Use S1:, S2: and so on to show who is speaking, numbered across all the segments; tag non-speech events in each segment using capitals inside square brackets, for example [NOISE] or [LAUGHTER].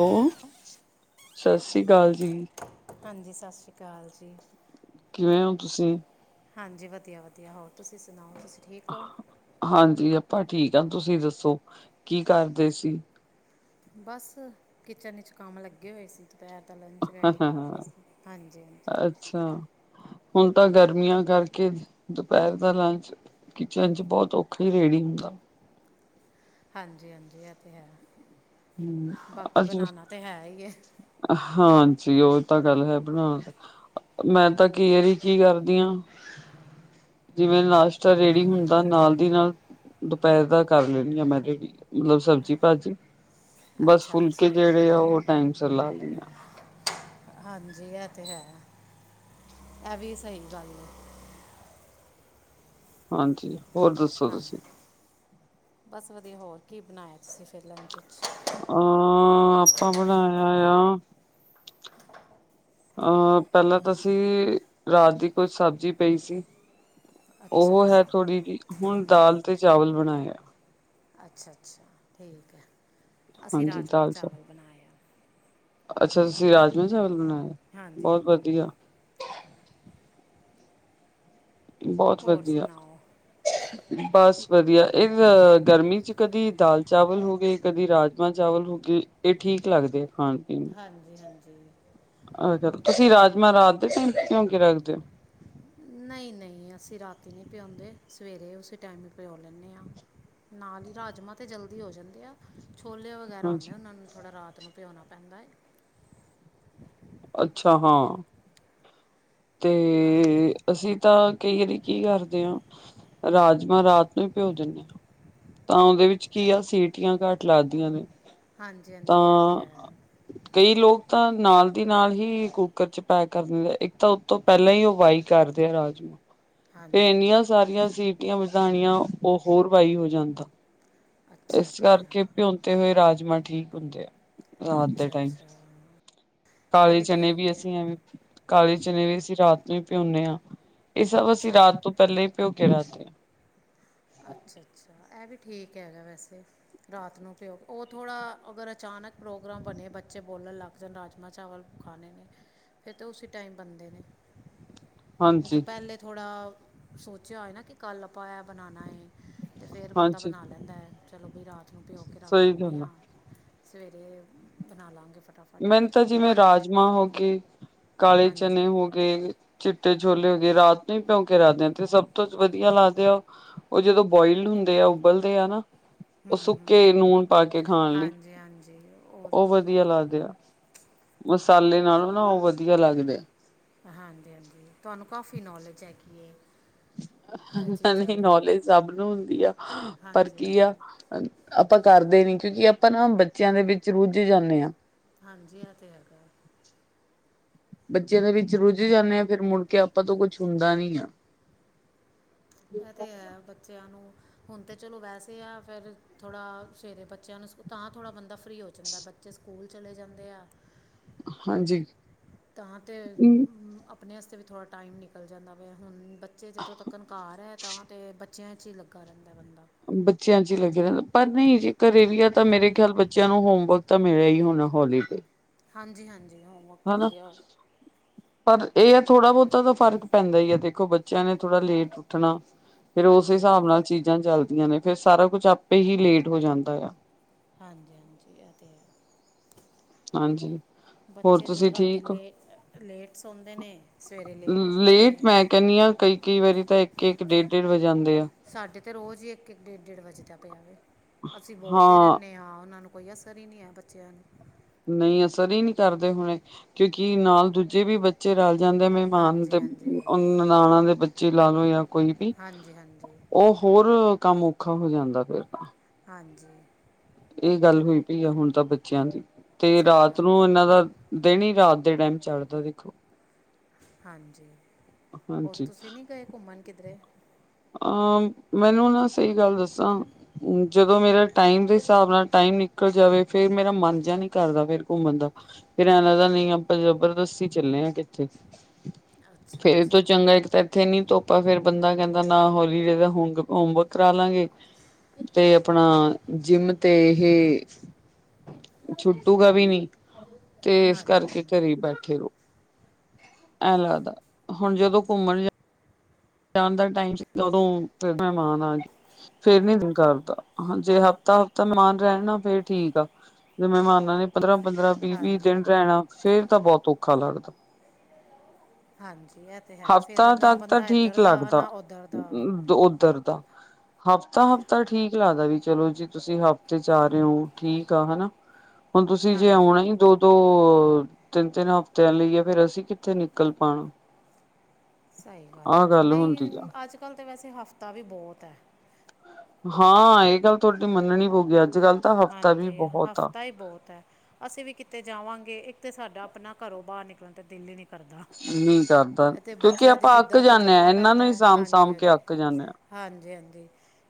S1: Hello ਸਤਿ ਸ੍ਰੀ ਅਕਾਲ ਜੀ।
S2: ਹਾਂਜੀ ਸਤਿ ਸ਼੍ਰੀ ਅਕਾਲ ਜੀ
S1: ਕਿਵੇਂ ਓ ਤੁਸੀਂ
S2: ਹਾਂਜੀ ਵਧੀਆਂ- ਵਧੀਆ ਹੋਰ ਤੁਸੀਂ ਸੁਣਾਓ ਤੁਸੀਂ ਠੀਕ ਓ
S1: ਹਾਂਜੀ ਆਪਾਂ ਠੀਕ ਹਾਂ, ਤੁਸੀਂ ਦੱਸੋਂ ਕੀ ਕਰਦੇ ਸੀ?
S2: ਬਸ ਕਿਚਨ ਵਿੱਚ ਕੰਮ ਲੱਗੇ ਹੋਏ ਸੀ ਦੁਪਹਿਰ ਦਾ ਲੰਚ ਰੈਡੀ ਕਰ ਰਹੇ ਸੀ ਹਾਂਜੀ ਹਾਂਜੀ
S1: ਅੱਛਾ ਹੁਣ ਤਾਂ ਗਰਮੀਆਂ ਕਰਕੇ ਦੁਪਹਿਰ ਦਾ ਲੰਚ ਕਿਚਨ 'ਚ ਬਹੁਤ ਔਖਾ ਈ ਰੈਡੀ ਹੁੰਦਾ
S2: ਹਾਂਜੀ -ਹਾਂਜੀ ਇਹ ਤਾਂ ਹੈ ਬਾਕੀ
S1: ਅੱਜ
S2: ਬਣਾਣਾ ਤਾਂ ਹੈ ਹੀ ਹੈ
S1: ਹਾਂਜੀ, ਉਹ ਤਾਂ ਗੱਲ ਹੈ ਬਣਾਣਾ ਤਾ ਮੈਂ ਤਾਂ ਕਈ ਆਰੀ ਕੀ ਕਰਦੀ ਆ ਜਿਵੇਂ ਨਾਸ਼ਤਾ ਰੇਡੀ ਹੁੰਦਾ ਨਾਲ਼ ਦੀ ਨਾਲ਼ ਦੁਪਹਿਰ ਦਾ ਕਰ ਲੈਣੀ ਆ ਮੈਂ ਰੈਡੀ ਮਤਲਬ ਸਬਜ਼ੀ ਭਾਜੀ ਬਸ
S2: ਅੱਛਾ ਅੱਛਾ
S1: ਫੁਲਕੇ ਜਿਹੜੇ ਆ ਉਹ ਟਾਈਮ ਸਿਰ ਲਾ ਦਿੰਦੇ ਐ
S2: ਹਾਂਜੀ ਇਹ ਤੇ ਹੈ ਇਹ ਵੀ ਸਹੀ ਗੱਲ ਆ।
S1: ਹਾਂਜੀ ਹੋਰ ਦੱਸੋ? ਤੁਸੀਂ
S2: ਹਾਜੀ, ਬਸ ਵਧੀਆ ਹੋਰ ਕੀ ਬਣਾਇਆ ਤੁਸੀਂ ਫਿਰ ਲੰਚ 'ਚ
S1: ਆਂਹ, ਆਪਾ ਬਣਾਇਆ ਗਿਆ
S2: [UNINTELLIGIBLE]
S1: ਅਹ ਪਹਿਲਾਂ ਤਾਂ ਅਸੀਂ ਰਾਤ ਦੀ ਕੁਝ ਸਬਜ਼ੀ ਪਈ ਸੀ।
S2: ਅੱਛਾ ਅੱਛਾ
S1: ਉਹ ਹੈ
S2: ਅੱਛਾ
S1: ਥੋੜ੍ਹੀ ਜਿ ਹੁਣ ਦਾਲ ਤੇ ਚਾਵਲ ਬਣਾਇਆ।
S2: ਅੱਛਾ- ਅੱਛਾ ਠੀਕ ਹੈ ਅਸੀਂ
S1: ਹਾਂਜੀ
S2: ਰਾਜਮਾਂ
S1: ਦਾਲ
S2: ਚਾਵਲ ਬਣਾਏ ਆ।
S1: ਅੱਛਾ ਤੁਸੀਂ ਰਾਜਮਾਂਹ ਚਾਵਲ ਬਣਾਏ ਆ
S2: ਹਾਂਜੀ
S1: ਬਹੁਤ
S2: ਹਾਂਜੀ
S1: ਵਧੀਆ। ਬਹੁਤ
S2: ਹੋਰ
S1: ਵਧੀਆ।
S2: ਸੁਣਾਓ [INAUDIBLE]
S1: ਬਸ ਵਧੀਆ ਇਹ ਗਰਮੀ ਚ ਕਦੀ ਦਾਲ ਚਾਵਲ ਹੋ ਗਏ ਕਦੀ ਰਾਜਮਾਂ ਚਾਵਲ ਹੋ ਗਏ। ਇਹ ਠੀਕ ਲੱਗਦੇ ਆ ਖਾਣ ਪੀਣ ਨੂੰ।
S2: ਹਾਂਜੀ -ਹਾਂਜੀ।
S1: ਤੁਸੀਂ ਰਾਜਮਾਂਹ ਰਾਤਦੇ ਭਿਉਂ ਕੇ ਰੱਖਦੇ ਹੋ।
S2: ਨਹੀਂ -ਨਹੀਂ ਅਸੀਂ ਰਾਤੀ ਨਹੀਂ ਭਿਆਉਂਦੇ ਸਵੇਰੇ ਉਸੇ ਟਾਇਮ ਈ ਭਿਉਂ ਲੈਨੇ ਆਂ। ਨਾਲ ਹੀ ਰਾਜਮਾਂਹ ਤਾਂ ਜਲਦੀ ਹੋ ਜਾਂਦੇ ਆ ਛੋਲੇ ਵਗ ਵਗੈਰਾ ਹੁੰਦੇ
S1: ਹਾਂਜੀ
S2: ਉਹਨਾਂ ਨੂੰ ਥੋੜ੍ਹਾ ਰਾਤ ਨੂੰ ਭਿਉਣਾ ਪੈਂਦਾ ਹੈ।
S1: ਅੱਛਾ ਹਾਂ। ਅਤੇ
S2: ਹਾਂਜੀ
S1: [UNINTELLIGIBLE] ਅਸੀਂ ਤਾਂ ਕਈ ਵਾਰੀ ਕੀ ਕਰਦੇ ਹਾਂ ਰਾਜਮਾਂਹਰਾਤ ਨੂੰ ਹੀ ਭਿਓ ਦਿੰਦੇ ਆਂ। ਤਾਂ ਉਹਦੇ ਵਿੱਚ ਕੀ ਆ ਸੀਟੀਆਂ ਘੱਟ ਲੱਦੀਆਂ ਨੇ।
S2: ਹਾਂਜੀ- ਹਾਂਜੀ ਇਹ ਤਾਂ ਹੈ।
S1: ਕਈ ਲੋਕ ਤਾਂ ਨਾਲ ਦੀ ਨਾਲ ਹੀ ਕੁੱਕਰ ਚ ਪੈਕ ਕਰ ਦਿੰਦੇ ਇੱਕ ਪਹਿਲਾਂ ਹੀ ਉਹ ਬਾਈ ਕਰਦੇ ਆ ਰਾਜਮਾਹ ਤੇ
S2: ਹਾਂਜੀ
S1: ਇੰਨੀਆਂ ਸਾਰੀਆਂ ਸੀ ਸੀਟੀਆਂ ਵਜਾਣੀਆਂ ਉਹ ਹੋਰ ਜਾਂਦਾ ਵਾਈ
S2: ਅੱਛਾ
S1: ਇਸ
S2: ਅੱਛਾ
S1: ਕਰਕੇ ਭਿਉ ਤੇ ਰਾਜਮਾਂਹ ਠੀਕ ਹੁੰਦੇ ਆ। ਰਾਤ ਦੇ
S2: ਅੱਛਾ
S1: ਟਾਈਮ,
S2: ਅੱਛਾ ਇਹ
S1: ਕਾਲੇ ਚਨੇ ਵੀ
S2: ਠੀਕ ਹੈ
S1: ਅਸੀਂ ਐਵੇਂ ਕਾਲੇ ਚਨੇ ਵੀ ਅਸੀਂ ਰਾਤ ਨੂੰ ਹੀ ਭਿਉਂਦੇ ਹਾਂ ਇਹ ਸਭ ਅਸੀਂ
S2: ਅੱਛਾ
S1: ਰਾਤ
S2: ਅੱਛਾ
S1: ਤੋਂ ਪਹਿਲਾਂ ਹੀ ਭਿਉ ਕੇ ਰੱਖਦੇ ਹਾਂ।
S2: ਅੱਛਾ- ਅੱਛਾ ਇਹ ਵੀ ਠੀਕ ਹੈਗਾ ਵੈਸੇ ਰਾਤ ਨੂੰ ਭਿਓ ਉਹ ਥੋੜ੍ਹਾ ਅਗਰ ਅਚਾਨਕ ਪ੍ਰੋਗਰਾਮ ਬਣੇ ਬੱਚੇ ਬੋਲਣ ਲੱਗ ਜਿੱਦਣ ਰਾਜਮਹ ਚਾਵਲ ਖਾਣੇ ਨੇ ਫਿਰ ਤਾਂ ਉਸ ਟਾਈਮ ਬਣਦੇ ਨੇ। [UNINTELLIGIBLE] ਤੇ
S1: ਹਾਂਜੀ
S2: ਪਹਿਲੇ ਥੋੜਾ ਸੋਚਿਆ ਹੋਏ ਨਾ ਕਿ ਕੱਲ ਆਪਾਂ ਬਣਾਣਾ ਹੈ ਅਤੇ ਫਿਰ ਬੰਦਾ
S1: ਹਾਂਜੀ
S2: ਬਣਾ ਲੈਂਦਾ ਹੈ ਚਲੋ ਬਈ ਰਾਤ ਨੂੰ ਭਿਓ ਕੇ ਰੱਖ
S1: ਸਹੀ
S2: ਦਿੰਦੇ
S1: ਗੱਲ ਆ
S2: ਹਾਂ ਸਵੇਰੇ ਬਣਾ ਲਾ ਗੇ
S1: ਮੈਨੂੰ ਤਾਂ ਜਿਵੇਂ ਰਾਜਮਾਂਹ ਹੋ ਗਏ ਕਾਲੇ ਚਨੇ
S2: ਹਾਂਜੀ
S1: ਹੋ ਗਏ ਚਿੱਟੇ ਛੋਲੇ ਹੋ ਗਏ ਰਾਤ ਨੂੰ ਹੀ ਭਿਉਂਕੇ ਰੱਖਦੇ ਆ ਤੇ ਸਭ ਤੋਂ ਵਧੀਆ ਲਗਦੇ ਆ ਉਹ ਉਹ ਜਦੋਂ ਬੋਇਲਡ ਹੁੰਦੇ ਆ ਉਬਲਦੇ ਆ ਨਾ, ਉਹ ਸੁੱਕੇ ਨੂਨ ਪਾ ਕੇ ਖਾਣ ਲਈ
S2: ਜੀ ਹਾਂਜੀ ਉਹ
S1: ਉਹ ਵਧੀਆ ਲੱਗਦੇ ਆ, ਮਸਾਲੇ ਨਾਲੋਂ ਨਾ ਉਹ ਵਧੀਆ ਲੱਗਦੇ ਆ।
S2: ਹਾਂਜੀ- ਹਾਂਜੀ ਤੁਹਾਨੂੰ ਕਾਫੀ ਨੌਲੇਜ ਹੈਗੀ ਏ।
S1: ਨਹੀਂ ਨੌਲੇਜ ਸਭ ਨੂੰ ਹੁੰਦੀ ਆ ਪਰ
S2: ਹਾਂਜੀ
S1: ਕੀ
S2: ਹਾਂਜੀ
S1: ਆ ਆਪਾਂ ਕਰਦੇ ਨੀ ਕਿਉਂਕਿ ਆਪਾਂ ਨਾ ਬੱਚਿਆਂ ਦੇ ਵਿੱਚ ਰੁੱਝ ਜਾਂਦੇ ਹਾਂ।
S2: ਹਾਂਜੀ ਆ ਤੇ ਹੈਗਾ।
S1: ਬੱਚਿਆਂ ਦੇ ਵਿੱਚ ਰੁੱਝ ਜਾਂਦੇ ਆ ਫਿਰ ਮੁੜਕੇ ਆਪਾਂ ਤੋਂ ਕੁੱਛ ਹੁੰਦਾ ਨੀ ਆ‌।
S2: ਇਹ ਤਾਂ ਹੈ ਬੱਚਿਆਂ ਨੂੰ ਹੁਣ ਤਾਂ ਚਲੋ ਵੈਸੇ ਆ ਫਿਰ ਥੋੜ੍ਹਾ ਸਵੇਰੇ ਬੱਚਿਆਂ ਨੂੰ ਤਾਂ ਥੋੜ੍ਹਾ ਬੰਦਾ ਫਰੀ ਹੋ ਜਾਂਦਾ ਬੱਚੇ ਸਕੂਲ ਚਲੇ ਜਾਂਦੇ ਆ
S1: ਹਾਂਜੀ।
S2: ਤਾਂ ਤੇ ਆਪਣੇ ਵਾਸਤੇ ਵੀ ਥੋੜ੍ਹਾ ਟਾਈਮ ਨਿਕਲ ਜਾਂਦਾ ਵਾ ਹੁਣ ਬੱਚੇ ਜਦੋਂ ਤੱਕਣ ਘਰ ਏ ਤਾਂ ਤੇ ਬੱਚਿਆਂ 'ਚ ਹੀ ਲੱਗਾ ਰਹਿੰਦਾ ਬੰਦਾ।
S1: ਬੱਚਿਆਂ ਚ ਹੀ ਲੱਗੇ ਰਹਿੰਦੇ ਆ ਪਰ ਨਹੀਂ ਜੇਕਰ ਘਰੇ ਵੀ ਆ ਤਾਂ ਮੇਰੇ ਖਿਆਲ ਬੱਚਿਆਂ ਨੂੰ ਹੋਮਵਰਕ ਤਾਂ ਮਿਲਿਆ ਹੀ ਹੋਣਾ ਹੋਲੀਡੇ।
S2: ਹਾਂਜੀ- ਹਾਂਜੀ ਹੋਮਵ
S1: ਹਨਾ। ਪਰ ਇਹ ਆ ਥੋੜਾ ਬਹੁਤਾ ਤਾਂ ਫ਼ਰਕ ਪੈਂਦਾ ਹੀ ਹੈ ਦੇਖੋ ਬੱਚਿਆਂ ਨੇ ਥੋੜਾ ਲੇਟ ਉੱਠਣਾ। ਫਿਰ ਉਸੇ
S2: ਹਾਂਜੀ
S1: ਹਿਸਾਬ ਨਾਲ ਚੀਜ਼ਾਂ ਚੱਲਦੀਆਂ ਨੇ ਫਿਰ ਸਾਰਾ ਕੁਛ ਆਪੇ ਹੀ ਲੇਟ ਹੋ ਜਾਂਦਾ ਆ।
S2: ਹਾਂਜੀ -ਹਾਂਜੀ ਇਹ ਤਾਂ ਹੈ।
S1: ਹਾਂਜੀ। ਹੋਰ
S2: ਬੱਚੇ
S1: ਤੁਸੀਂ
S2: ਜੋਂ ਰਾਤੀ
S1: ਠੀਕ ਹੋ
S2: ਲੇ ਲੇਟ ਸੌਦੇ ਨੇ ਸਵੇਰੇ ਲੇਟ ਉੱਠਦੇ ਨੇ
S1: ਇਹ ਤੇ ਮੈਂ ਆਏ ਕਹਿੰਦੀ ਹਾਂ ਕਈ -ਕਈ ਵਾਰੀ ਤਾਂ ਇੱਕ, ਇੱਕ ਡੇਢ -ਡੇਢ ਵਜੇ ਜਾਂਦੇ ਆ।
S2: ਸਾਡੇ ਤੇ ਰੋਜ਼ ਹੀ ਇੱਕ -ਇੱਕ, ਡੇਢ -ਡੇਢ ਵੱਜਦਾ ਪਿਆ ਵਾ ਅਸੀਂ ਬੋਲਦੇ ਰਹਿੰਦੇ ਹਾਂ ਉਹਨਾਂ ਨੂੰ ਕੋਈ ਅਸਰ ਹੀ ਨਹੀਂ ਹੈ ਬੱਚਿਆਂ ਨੂੰ।
S1: ਨਹੀਂ ਅਸਰ ਹੀ ਨਹੀਂ ਕਰਦੇ ਹੁਣੇ ਕਿਉਂਕਿ ਨਾਲ ਦੂਜੇ ਵੀ ਬੱਚੇ ਬੱਚੇ ਰਲ ਜਾਂਦੇ ਮਹਿਮਾਨ
S2: ਹਾਂਜੀ
S1: ਦੇ
S2: ਹਾਂਜੀ
S1: ਨਨਾਣਾਂ ਦੇ ਬੱਚੇ ਲਾ ਲਓ ਜਾਂ ਕੋਈ ਵੀ।
S2: ਹਾਂਜੀ ਹਾਂਜੀ
S1: ਉਹ ਹੋਰ ਕੰਮ ਔਖਾ ਹੋ ਜਾਂਦਾ ਫੇਰ
S2: ਹਾਂਜੀ।
S1: ਇਹ ਗੱਲ ਹੋਈ ਪਈ ਆ ਹੁਣ ਤਾਂ ਬੱਚਿਆਂ ਦੀ ਤੇ
S2: ਸਹੀ
S1: ਰਾਤ
S2: ਗੱਲ
S1: ਨੂੰ
S2: ਹੈ
S1: ਇਹਨਾਂ ਦਾ ਦਿਨ ਹੀ ਰਾਤ ਦੇ ਟਾਈਮ ਚੜਦਾ ਦੇਖੋ।
S2: ਹਾਂਜੀ, ਹੋਰ
S1: ਹਾਂਜੀ
S2: ਤੁਸੀਂ ਨਹੀਂ ਗਏ ਘੁੰਮਣ ਕਿੱਧਰੇ।
S1: ਅਹ ਮੈਨੂੰ ਨਾ ਸਹੀ ਗੱਲ ਦੱਸਾਂ। ਜਦੋਂ ਮੇਰਾ ਟਾਈਮ ਦੇ ਹਿਸਾਬ ਨਾਲ ਟਾਈਮ ਨਿਕਲ ਜਾਵੇ ਫੇਰ ਮੇਰਾ ਮਨ ਜਿਹਾ ਨੀ ਕਰਦਾ ਫਿਰ ਘੁੰਮਣ ਦਾ। ਫਿਰ ਐ ਲੱਗਦਾ ਨਹੀਂ ਆਪਾਂ ਜਬਰਦਸਤੀ ਚੱਲੇ ਹਾਂ ਕਿੱਥੇ
S2: ਅੱਛਾ
S1: ਫੇਰ ਇਹ ਤੋਂ
S2: ਅੱਛਾ
S1: ਚੰਗਾ ਇੱਕ ਤਾਂ ਇੱਥੇ ਨੀ ਧੁੱਪ ਆ ਫੇਰ ਬੰਦਾ ਕਹਿੰਦਾ ਨਾ [UNINTELLIGIBLE] ਹੋਮਵਰਕ ਕਰਾ ਲਾਂਗੇ। ਤੇ ਆਪਣਾ ਜਿੰਮ ਤੇ ਇਹੇ ਛੁੱਟੂਗਾ ਵੀ ਨੀ, ਤੇ ਇਸ
S2: ਹਾਂਜੀ
S1: ਕਰਕੇ
S2: ਹਾਂਜੀ
S1: ਘਰੇ ਬੈਠੇ ਰਹੋ। ਐਂ ਲੱਗਦਾ, ਹੁਣ ਜਦੋਂ ਘੁੰਮਣ ਜਾ ਜਾਣ ਦਾ ਟਾਈਮ ਸੀਗਾ ਉਦੋਂ ਫਿਰ ਮਹਿਮਾਨ ਆਗੇ। ਫੇਰ ਨੀ ਦਿਲ ਕਰਦਾ, ਜੇ ਹਫ਼ਤਾ-ਹਫ਼ਤਾ ਮਹਿਮਾਨ ਰਹਿਣ ਨਾ ਫਿਰ ਠੀਕ ਆ। ਜੇ ਮਹਿਮਾਨ ਨੇ ਪੰਦਰਾਂ-ਪੰਦਰਾਂ, ਵੀਹ-ਵੀਹ
S2: ਹਾਂਜੀ
S1: ਦਿਨ
S2: ਹਾਂਜੀ
S1: ਰਹਿਣਾ ਫੇਰ ਤਾਂ ਬਹੁਤ ਔਖਾ ਲੱਗਦਾ।
S2: ਹਾਂਜੀ ਇਹ ਤੇ ਹੈ ਫਿਰ
S1: ਹਫ਼ਤਾ
S2: ਨਾ
S1: ਤੱਕ ਤਾਂ
S2: ਬੰਦਾ ਇੱਧਰ
S1: ਠੀਕ
S2: ਦਾ
S1: ਲੱਗਦਾ
S2: ਨਾ ਉੱਧਰ ਦਾ।
S1: ਉੱਧਰ ਦਾ ਹਫ਼ਤਾ-ਹਫ਼ਤਾ ਠੀਕ ਕੀ ਲੱਗਦਾ ਵੀ ਚਲੋ ਜੀ ਤੁਸੀਂ ਹਫ਼ਤੇ 'ਚ' ਆ ਰਹੇ ਹੋ ਠੀਕ ਆ ਹਨਾ। ਹੁਣ ਤੁਸੀਂ ਜੇ
S2: ਹਾਂਜੀ
S1: ਆਉਣਾ ਈ ਦੋ ਦੋ, ਤਿੰਨ-ਤਿੰਨ ਹਫ਼ਤਿਆਂ ਲਈ ਆ ਫੇਰ ਅਸੀਂ ਕਿੱਥੇ ਨਿਕਲ ਪਾਣ।
S2: ਸਹੀ ਗੱਲ ਐ ਜੀ,
S1: ਹੁੰਦੀ
S2: ਨਹੀਂ
S1: ਆ।
S2: ਅੱਜ-ਕੱਲ੍ਹ ਤਾਂ ਵੈਸੇ ਹਫ਼ਤਾ ਵੀ ਬਹੁਤ ਐ।
S1: ਹਾਂ ਇਹ ਗੱਲ ਤੁਹਾਡੀ ਮੰਨਣੀ ਪਊਗੀ ਅੱਜ-ਕੱਲ੍ਹ
S2: ਹਾਂਜੀ ਹਫ਼ਤਾ ਹੀ ਬਹੁਤ ਐ। ਅਸੀਂ ਵੀ ਕਿਤੇ ਜਾਵਾਗੇ ਇੱਕ ਤਾਂ ਸਾਡਾ ਆਪਣਾ ਘਰੋਂ ਬਾਹਰ ਨਿਕਲਣ ਤਾਂ ਦਿੱਲ ਹੀ ਨੀ ਕਰਦਾ,
S1: ਨਹੀਂ ਕਰਦਾ
S2: ਐ ਤੇ
S1: ਕਿਉਂਕਿ
S2: ਬੱਚਿਆਂ ਦੀ
S1: ਆਪਾਂ ਅੱਕ
S2: ਜਿੱਦਾਂ ਤੋਂ
S1: ਜਾਂਦੇ
S2: ਜਾਣਾ
S1: ਹਾਂ ਇਹਨਾਂ
S2: ਪੈਂਦਾ
S1: ਨੂੰ ਹੀ ਸਾਂਭ ਸਾਂਭ ਕੇ
S2: ਹਾਂਜੀ-ਹਾਂਜੀ।
S1: ਅੱਕ ਜਾਂਦੇ ਹਾਂ
S2: ਹਾਂਜੀ-ਹਾਂਜੀ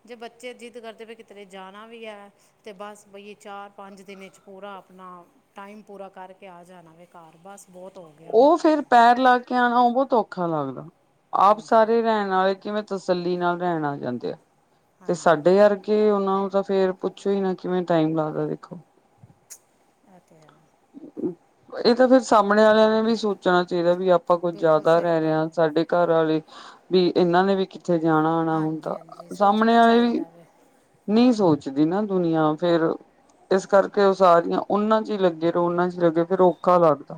S2: ਜੇ ਬੱਚੇ ਜਿੱਦ ਕਰਦੇ ਵੀ ਕਿਤੇਰੇ ਜਾਣਾ ਵੀ ਐ। ਤੇ ਬੱਸ ਭਈਏ ਚਾਰ, ਪੰਜ ਦਿਨਾਂ 'ਚ' ਪੂਰਾ ਆਪਣਾ ਟਾਈਮ ਪੂਰਾ ਕਰਕੇ ਆ ਜਾਣਾ ਵੇ ਘਰ ਬੱਸ ਬਹੁਤ ਹੋ ਗਿਆ। ਵੇ
S1: ਉਹ ਫਿਰ ਪੈਰ ਲਾ ਕੇ ਆਉਣਾ ਉਹ ਬਹੁਤ ਔਖਾ ਲੱਗਦਾ, ਆਪ
S2: ਹਾਂਜੀ
S1: ਸਾਰੇ ਰਹਿਣ ਆਲੇ ਕਿਵੇਂ ਤਸੱਲੀ ਨਾਲ ਰਹਿਣ ਆ ਜਾਂਦੇ ਆ,
S2: ਹਾਂਜੀ
S1: ਤੇ
S2: ਹਾਂਜੀ
S1: ਸਾਡੇ ਅਰ ਕਿ ਉਹਨਾਂ ਨੂੰ ਤਾਂ ਫੇਰ ਪੁੱਛੋ ਹੀ ਨਾ ਕਿਵੇਂ ਟਾਈਮ ਲੱਗਦਾ ਦੇਖੋ
S2: ਐਹ ਤੇ ਹੈ।
S1: ਇਹ ਤਾਂ ਫਿਰ ਸਾਹਮਣੇ ਵਾਲਿਆਂ ਨੇ ਵੀ ਸੋਚ ਜਾ ਜਿਹੜਾ ਵੀ ਆਪਾਂ ਕੁੱਝ
S2: ਬਿਲਕੁਲ
S1: ਜ਼ਿਆਦਾ
S2: ਸਹੀ
S1: ਰਹਿ ਰਹੇ
S2: ਗੱਲ
S1: ਹਾਂ
S2: ਹੈ
S1: ਸਾਡੇ ਘਰ ਆਲੇ ਵੀ ਇਹਨਾਂ ਨੇ ਵੀ ਕਿੱਥੇ ਜਾਣਾ-ਆਣਾ
S2: ਹਾਂਜੀ
S1: ਹੁੰਦਾ
S2: ਹਾਂਜੀ
S1: ਸਾਹਮਣੇ
S2: ਸੋਚਣਾ
S1: ਆਲੇ ਵੀ
S2: ਚਾਹੀਦਾ ਵੇ
S1: ਨਹੀਂ ਸੋਚਦੀ ਨਾ ਦੁਨੀਆਂ ਫੇਰ, ਇਸ ਕਰਕੇ ਉਹ ਸਾਰੀਆਂ ਉਹਨਾਂ 'ਚ' ਹੀ ਲੱਗੇ ਫਿਰ ਉਹਨਾਂ 'ਚ' ਲੱਗੇ ਫਿਰ ਔਖਾ ਲੱਗਦਾ।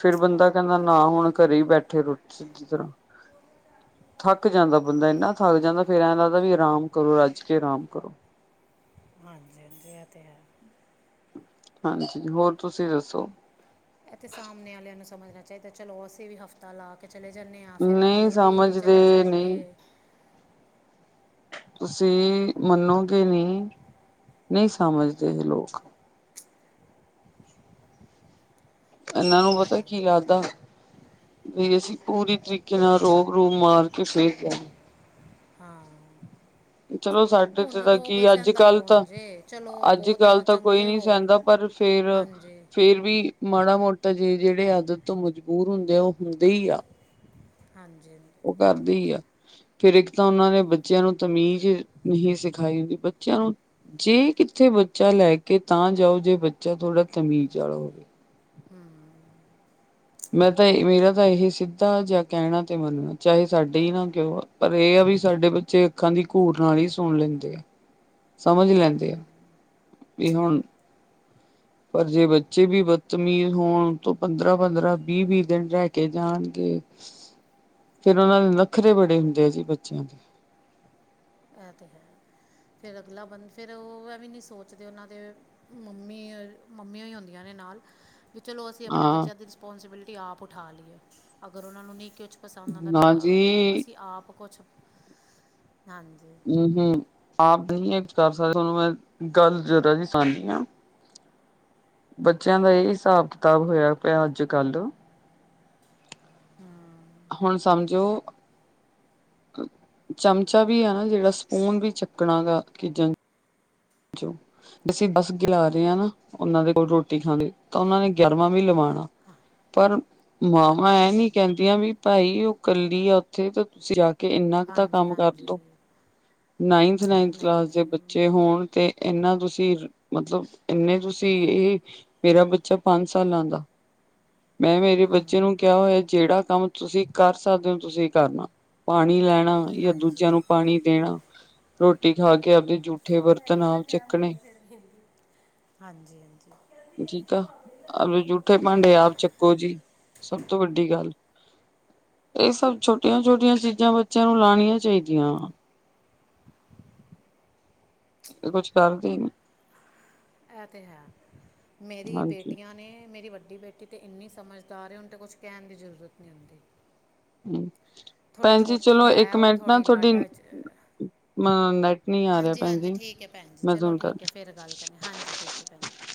S1: ਫਿਰ ਬੰਦਾ ਕਹਿੰਦਾ ਨਾ ਹੁਣ ਘਰੇ ਹੀ ਬੈਠੇ ਰੋਟੀ ਸਿੱਧੀ ਤਰ੍ਹਾਂ ਥੱਕ ਜਾਂਦਾ ਬੰਦਾ ਇੰਨਾ ਥੱਕ ਜਾਂਦਾ ਫੇਰ ਐਂ ਲੱਗਦਾ ਵੀ ਆਰਾਮ ਕਰੋ ਰੱਜ ਕੇ ਆਰਾਮ ਕਰੋ।
S2: ਹਾਂਜੀ-ਹਾਂਜੀ ਐ ਤੈ ਹੈ
S1: ਹਾਂਜੀ, ਹੋਰ ਤੁਸੀਂ ਦੱਸੋ?
S2: ਇਹ ਤੇ ਸਾਹਮਣੇ ਵਾਲਿਆਂ ਨੂੰ ਸਮਝਣਾ ਚਾਹੀਦਾ ਚਲੋ ਅਸੀਂ ਵੀ ਹਫ ਪਤਾ ਲਾ ਕੇ ਚਲੇ ਜਾਣੇ ਆ ਫਿਰ
S1: ਨਹੀਂ
S2: ਅਗਲੇ ਵੀ ਚਲੇ
S1: ਸਮਝਦੇ
S2: ਜਾਣਗੇ
S1: ਨਹੀਂ ਤੁਸੀਂ ਮੰਨੋਗੇ ਨਹੀਂ, ਨਹੀਂ ਸਮਝਦੇ ਇਹ ਲੋਕ। ਇਹਨਾਂ
S2: ਉਹ
S1: ਨੂੰ
S2: ਤਾਂ
S1: ਪਤਾ
S2: ਹੈ
S1: ਕੀ ਲੱਗਦਾ ਵੀ ਅਸੀਂ ਪੂਰੀ ਤਰੀਕੇ ਨਾਲ ਰੋਹਬ-ਰੂਹਬ ਮਾਰ ਕੇ ਫੇਰ [UNINTELLIGIBLE]
S2: ਹਾਂ।
S1: ਚਲੋ ਸਾਡੇ ਤੇ
S2: ਹੁਣ
S1: ਤਾਂ ਕੀ
S2: ਰੋਬ ਸਹਿੰਦਾ
S1: ਅੱਜ-ਕੱਲ੍ਹ ਤਾਂ,
S2: ਕੌਣ ਜੇ ਚਲੋ ਬਹੁਤ
S1: ਅੱਜ-ਕੱਲ੍ਹ ਤਾਂ ਕੋਈ
S2: ਚੰਗੇ
S1: ਨੀ
S2: ਹੋ
S1: ਸਹਿੰਦਾ ਪਰ ਫੇਰ,
S2: ਹਾਂਜੀ
S1: ਫੇਰ ਵੀ ਮਾੜਾ-ਮੋਟਾ ਜੇ ਜਿਹੜੇ ਆਦਤ ਤੋਂ ਮਜਬੂਰ ਹੁੰਦੇ ਆ ਉਹ ਹੁੰਦੇ ਹੀ ਆ
S2: ਹਾਂਜੀ-ਹਾਂਜੀ।
S1: ਉਹ ਕਰਦੇ ਹੀ ਆ। ਫਿਰ ਇੱਕ ਤਾਂ ਉਹਨਾਂ ਨੇ ਬੱਚਿਆਂ ਨੂੰ ਤਮੀਜ਼ ਨਹੀਂ ਸਿਖਾਈ ਹੁੰਦੀ ਬੱਚਿਆਂ ਨੂੰ ਜੇ ਕਿੱਥੇ ਬੱਚਾ ਲੈ ਕੇ ਤਾਂ ਜਾਓ ਜੇ ਬੱਚਾ ਥੋੜ੍ਹਾ ਤਮੀਜ਼ ਵਾਲਾ ਹੋਵੇ।
S2: [UNINTELLIGIBLE]
S1: ਮੈਂ ਤਾਂ ਇਹੀ ਮੇਰਾ ਤਾਂ ਇਹੀ ਸੀ। ਤਾ ਜਾਂ ਕਹਿਣਾ ਤੇ ਮੰਨੋ ਚਾਹੇ ਸਾਡੇ ਹੀ ਨਾ ਕਿਉਂ ਪਰ ਇਹ ਆ ਵੀ ਸਾਡੇ ਬੱਚੇ ਅੱਖਾਂ ਦੀ ਘੂਰ ਨਾਲ ਹੀ ਸੁਣ ਲੈਂਦੇ ਆ, ਸਮਝ ਲੈਂਦੇ ਆ ਵੀ ਹੁਣ ਪਰ ਜੇ ਬੱਚੇ ਵੀ ਬਦਤਮੀਜ਼ ਹੋਣ ਤੋਂ ਪੰਦਰਾਂ- ਪੰਦਰਾਂ, ਵੀਹ- ਵੀਹ ਦਿਨ ਰਹਿ ਕੇ ਜਾਣਗੇ
S2: [INAUDIBLE]
S1: ਫਿਰ ਉਹਨਾਂ ਦੇ ਨਖਰੇ ਬੜੇ ਹੁੰਦੇ ਆ ਜੀ ਬੱਚਿਆਂ ਦੇ।
S2: ਇਹ ਤੇ ਹੈ ਫਿਰ ਅਗਲਾ ਬੰਨੇ ਫਿਰ ਉਹ ਐਵੇਂ ਨੀ ਸੋਚਦੇ ਉਹਨਾਂ ਦੇ ਮੰਮੀ ਔਰ ਮੰਮੀਆਂ ਹੀ ਹੁੰਦੀਆਂ ਨੇ ਨਾਲ। ਵੀ ਚਲੋ ਅਸੀਂ ਆਪਣੇ
S1: ਹਾਂ
S2: ਬੱਚਿਆਂ ਦੀ ਰਿਸਪੋਂਸੀਬਿਲਿਟੀ ਆਪ ਉਠਾ ਲਈਏ ਅਗਰ ਉਹਨਾਂ ਨੂੰ ਨਹੀਂ ਕੁਛ ਪਸੰਦ ਆਉਂਦਾ
S1: ਨਾ
S2: ਪਿਆ
S1: ਜੀ
S2: ਅਸੀਂ ਆਪ ਕੁਛ ਹਾਂਜੀ।
S1: [UNINTELLIGIBLE] ਆਪ ਨਹੀਂ ਇਹ ਕੁਝ ਕਰ ਸਕਦੇ ਤੁਹਾਨੂੰ ਮੈਂ ਗੱਲ ਜ਼ੀਰਾ ਜੀ ਸੁਣਦੀ ਹਾਂ ਬੱਚਿਆਂ ਦਾ ਇਹੀ ਹਿਸਾਬ -ਕਿਤਾਬ ਹੋਇਆ ਪਿਆ ਅੱਜ-ਕੱਲ੍ਹ।
S2: [INAUDIBLE]
S1: ਹੁਣ ਸਮਝੋ। ਚਮਚਾ ਵੀ ਹੈ ਨਾ ਜਿਹੜਾ ਸਪੂਨ ਵੀ ਚੱਕਣਾ ਗਾ ਕਿਚਨ 'ਚ' ਬੱਸ ਗਿਰਾ ਰਹੇ ਹਾਂ ਨਾ ਉਹਨਾਂ ਦੇ ਕੋਲ ਰੋਟੀ ਖਾਂਣੀ ਤਾਂ ਉਹਨਾਂ ਨੇ ਗਿਆਰਵਾ ਵੀ ਲਵਾਣਾ ਪਰ ਮਾਵਾਂ ਇਹ
S2: ਹਾਂਜੀ
S1: ਨੀ
S2: ਹਾਂਜੀ
S1: ਕਹਿੰਦੀਆਂ ਵੀ। ਭਾਈ ਉਹ ਇਕੱਲੀ ਆ ਉੱਥੇ ਤਾਂ ਤੁਸੀਂ ਕੇ- ਕਿ ਇੰਨਾ ਕੁ ਤਾਂ
S2: ਹਾਂਜੀ
S1: ਕੰਮ ਕਰ
S2: ਹਾਂਜੀ
S1: ਲੋ ਨਾਈਨਥ -ਨਾਈਨਥ
S2: ਨਹੀਂ
S1: ਕਲਾਸ ਦੇ
S2: ਨਹੀਂ
S1: ਬੱਚੇ ਹੋਣ ਤੇ ਇੰਨਾ ਤੁਸੀਂ ਮਤਲਬ ਇੰਨੇ ਤੁਸੀਂ ਇਹ ਮੇਰਾ ਬੱਚਾ ਪੰਜ ਸਾਲਾਂ ਦਾ।
S2: [INAUDIBLE]
S1: ਮੈਂ ਮੇਰੇ ਬੱਚੇ ਨੂੰ ਕਿਹਾ ਹੋਇਆ ਜਿਹੜਾ ਕੰਮ ਤੁਸੀਂ ਕਰ ਸਕਦੇ ਹੋ ਤੁਸੀਂ ਕਰਨਾ। ਪਾਣੀ ਲੈਣਾ ਜਾਂ
S2: ਹਾਂਜੀ
S1: ਦੂਜਿਆਂ ਨੂੰ ਪਾਣੀ ਦੇਣਾ। ਰੋਟੀ ਖਾ ਕੇ ਆਪਦੇ ਜੂਠੇ ਵਰਤ
S2: ਭੈਣ ਜੀ ਇਹਦਾ ਟਾਇਮ ਹੋ ਗਿਆ ਫਿਰ, ਹਾਂਜੀ -ਹਾਂਜੀ।
S1: ਠੀਕ ਆ ਆਂਵਦੇ ਜੂਠੇ ਭਾਂਡੇ ਆਪ ਚੱਕੋ ਜੀ, ਸਭ ਤੋਂ ਵੱਡੀ ਗੱਲ। ਇਹ ਸਭ ਛੋਟੀਆਂ- ਛੋਟੀਆਂ ਚੀਜ਼ਾਂ ਬੱਚਿਆਂ ਨੂੰ ਲਾਣੀਆਂ ਚਾਹੀਦੀਆਂ ਆ। ਇਹ ਕੁਛ ਕਰਦੇ ਨੀ।
S2: ਇਹ ਤਾਂ ਹੈ ਮੇਰੀ
S1: ਹਾਂਜੀ
S2: ਬੇਟੀਆਂ ਨੇ ਮੇਰੀ ਵੱਡੀ ਬੇਟੀ ਤੇ ਇੰਨੀ ਸਮਝਦਾਰ ਉਹਨੂੰ ਤਾਂ ਕੁਛ ਕਹਿਣ ਦੀ ਜ਼ਰੂਰਤ ਨਹੀਂ ਹੁੰਦੀ।
S1: ਹਮ।
S2: ਥੋੜ੍ਹੀ ਛੋਟੀ ਹੈ ਉਹ ਥੋੜ੍ਹੀ ਲਾਡਾ 'ਚ।
S1: ਅ ਨੈਟ ਨੀ ਆ ਰਿਹਾ
S2: ਹਾਂਜੀ
S1: ਭੈਣ
S2: -ਹਾਂਜੀ
S1: ਜੀ
S2: ਠੀਕ ਹੈ ਭੈਣ ਜੀ
S1: ਮੈਂ
S2: ਚਲੋ
S1: ਤੁਹਾਨੂੰ ਕਰ
S2: ਠੀਕ ਹੈ ਫਿਰ ਗੱਲ। ਕਾਨੇਆ ਹਾਂਜੀ ਠੀਕ ਹੈ ਭੈਣ ਜੀ।